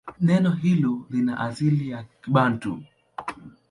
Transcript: Neno hilo lina asili ya Kibantu.